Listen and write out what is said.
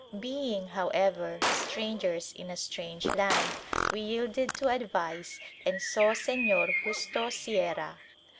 Being, however, strangers in a strange land, we yielded to advice and saw Señor Justo Sierra.